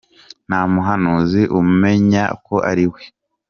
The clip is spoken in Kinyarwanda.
Nta muhanuzi umenya ko ari we